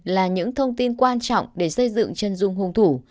là những thông tin quan trọng để xây dựng chân dung hung thủ